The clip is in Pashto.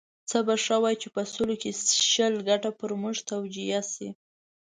څه به ښه وای چې په سلو کې شل ګټه پر موږ توجیه شي.